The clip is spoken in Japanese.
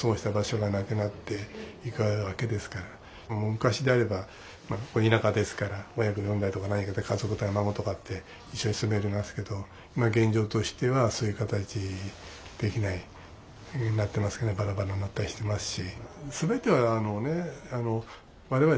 昔であればここ田舎ですから親子４代とか家族とか孫とかって一緒に住めますけど今現状としてはそういう形できないなってますからばらばらになったりしてますし。